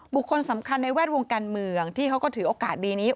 บุคคลสำคัญในแวดวงการเมืองที่เขาก็ถือโอกาสดีนี้